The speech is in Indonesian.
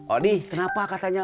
odi kenapa katanya